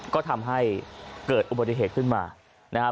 ก็ทำให้เกิดอุบัติเหตุขึ้นมานะครับ